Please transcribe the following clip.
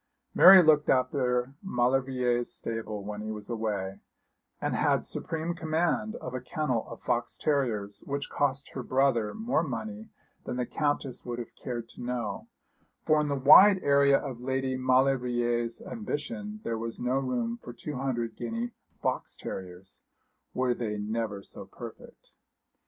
Mary looked after Maulevrier's stable when he was away, and had supreme command of a kennel of fox terriers which cost her brother more money than the Countess would have cared to know; for in the wide area of Lady Maulevrier's ambition there was no room for two hundred guinea fox terriers, were they never so perfect.